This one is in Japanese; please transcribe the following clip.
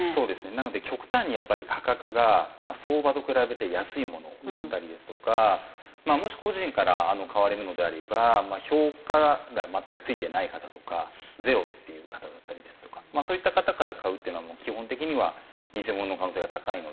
なので極端にやっぱり価格が相場と比べて安いものだったりですとかもし個人から買われるのであれば評価が全くついてない方とかゼロっていう方だったりですとかそういった方から買うっていうのは基本的には偽物の可能性が高いので。